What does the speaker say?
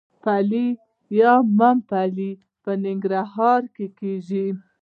پلی یا ممپلی په ننګرهار کې کیږي.